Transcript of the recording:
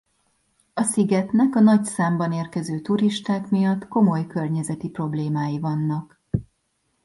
A szigetnek a nagy számban érkező turisták miatt komoly környezeti problémái vannak.